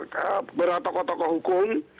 beberapa tokoh tokoh hukum